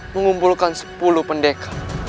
mengumpulkan sepuluh pendekat